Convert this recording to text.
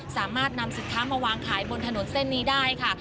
สามารถนำสินค้ามาวางขายบนถนนเส้นนี้ได้ค่ะ